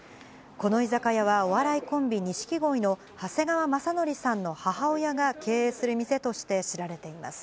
この居酒屋は、お笑いコンビ、錦鯉の長谷川雅紀さんの母親が経営する店として知られています。